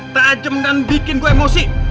tajem dan bikin gue emosi